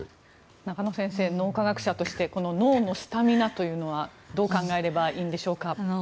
中野先生、脳科学者として脳のスタミナというのはどう考えればいいんでしょうか？